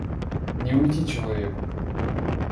Не уйти человеку!